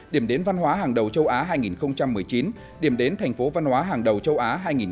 điểm đến văn hóa hàng đầu châu á hai nghìn một mươi chín điểm đến thành phố văn hóa hàng đầu châu á hai nghìn hai mươi